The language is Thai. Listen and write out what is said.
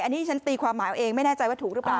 อันนี้ฉันตีความหมายเอาเองไม่แน่ใจว่าถูกหรือเปล่า